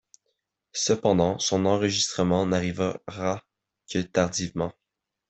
Cependant son enseignement n'arriva que tardivement.